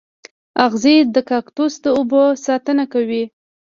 اغزي د کاکتوس د اوبو ساتنه کوي